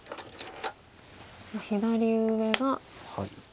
左上が。